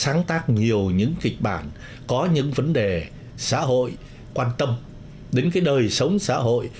sáng tác nhiều những kịch bản có những vấn đề xã hội quan tâm đến cái đời sống xã hội